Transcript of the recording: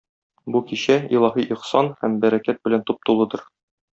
Бу кичә илаһи ихсан һәм бәрәкәт белән туп-тулыдыр.